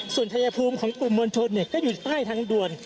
ส่วนชายภูมิของกลุ่มมวลชนก็อยู่ใต้ทางด่วน